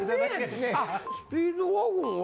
スピードワゴンは？